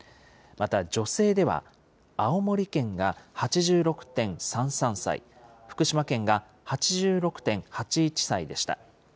また、女性では青森県が８６．３３歳、福島県が８６．８１歳でした。